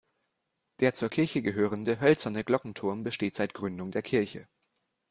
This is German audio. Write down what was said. Der zur Kirche gehörende hölzerne Glockenturm besteht seit Gründung der Kirche.